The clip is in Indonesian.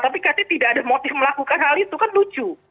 tapi katanya tidak ada motif melakukan hal itu kan lucu